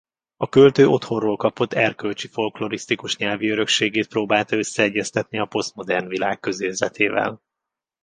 A költő otthonról kapott erkölcsi-folklorisztikus-nyelvi örökségét próbálta összeegyeztetni a posztmodern világ közérzetével.